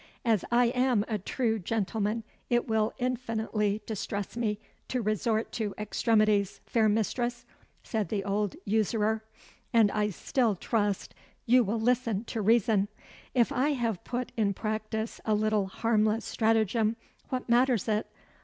"As I am a true gentleman, it will infinitely distress me to resort to extremities, fair mistress," said the old usurer, "and I still trust you will listen to reason. If I have put in practice a little harmless stratagem, what matters it?